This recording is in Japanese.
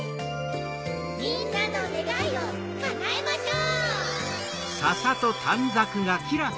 みんなのねがいをかなえましょう。